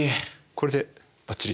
これでバッチリ？